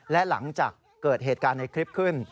และหลังจากเกิดเหตุการณ์ในคลิปขึ้น